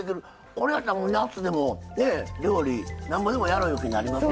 これやったら夏でも料理なんぼでもやろういう気になりますね。